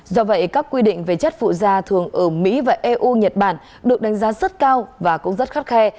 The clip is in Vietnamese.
do vậy các quy định về chất phụ da thường ở mỹ và eu nhật bản được đánh giá rất cao và cũng rất khắt khe